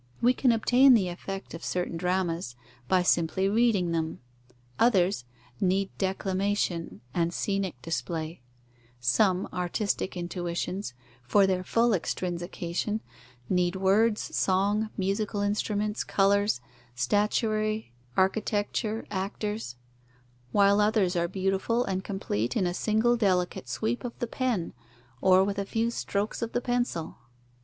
We can obtain the effect of certain dramas by simply reading them; others need declamation and scenic display: some artistic intuitions, for their full extrinsication, need words, song, musical instruments, colours, statuary, architecture, actors; while others are beautiful and complete in a single delicate sweep of the pen, or with a few strokes of the pencil.